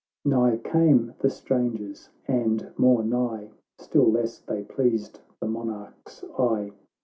— XIX Nigh came the strangers, and more nigh ;— Still less they pleased the Monarch's eye.